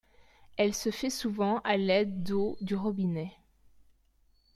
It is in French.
Elle se fait souvent à l'aide d'eau du robinet.